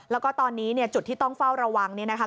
แล้วก็ตอนนี้เนี่ยจุดที่ต้องเฝ้าระวังเนี่ยนะคะ